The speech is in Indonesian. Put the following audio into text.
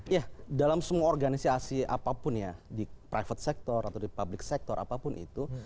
ya dalam semua organisasi apapun ya di private sector atau di public sector apapun itu